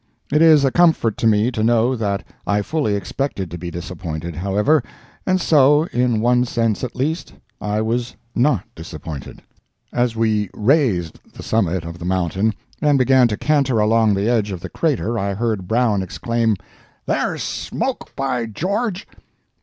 It is a comfort to me to know that I fully expected to be disappointed, however, and so, in one sense at least, I was not disappointed. As we "raised" the summit of the mountain and began to canter along the edge of the crater, I heard Brown exclaim, "There's smoke, by George!"